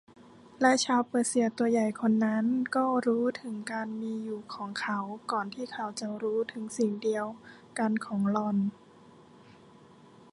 และชาวเปอร์เซียตัวใหญ่คนนั้นก็รู้ถึงการมีอยู่ของเขาก่อนที่เขาจะรู้ถึงสิ่งเดียวกันของหล่อน